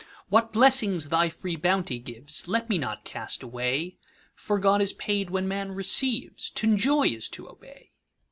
What blessings thy free bounty givesLet me not cast away; For God is paid when man receives;T' enjoy is to obey.